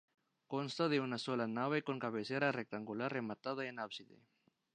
Consta de una sola nave con cabecera rectangular rematada en ábside.